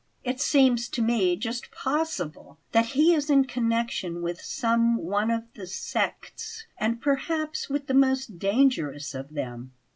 It seems to me just possible that he is in connexion with some one of the 'sects,' and perhaps with the most dangerous of them."